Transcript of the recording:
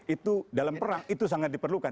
itu dalam perang itu sangat diperlukan